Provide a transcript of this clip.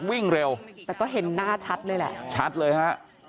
วิ่งเร็วแต่ก็เห็นหน้าชัดเลยแหละชัดเลยฮะ